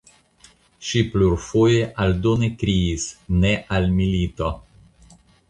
Ŝi plurfoje aldone kriis "Ne al milito!".